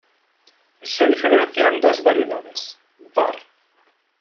Se diferencian dos variedades: "var.